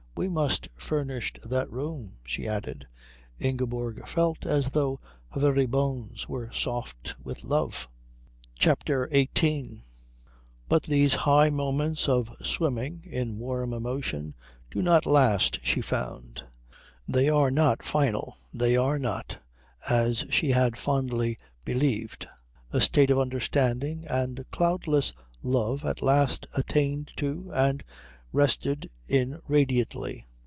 "We must furnish that room," she added. Ingeborg felt as though her very bones were soft with love. CHAPTER XVIII But these high moments of swimming in warm emotion do not last, she found; they are not final, they are not, as she had fondly believed, a state of understanding and cloudless love at last attained to and rested in radiantly.